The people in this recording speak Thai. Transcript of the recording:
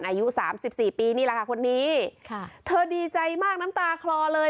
อายุสามสิบสี่ปีนี่แหละค่ะคนนี้ค่ะเธอดีใจมากน้ำตาคลอเลย